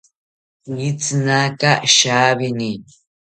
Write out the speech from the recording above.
Pitzinaka shawini